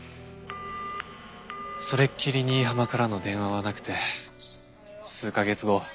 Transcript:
それっきり新浜からの電話はなくて数カ月後。